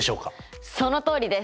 そのとおりです。